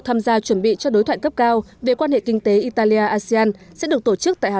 tham gia chuẩn bị cho đối thoại cấp cao về quan hệ kinh tế italia asean sẽ được tổ chức tại hà